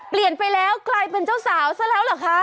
เปลี่ยนไปแล้วกลายเป็นเจ้าสาวซะแล้วเหรอคะ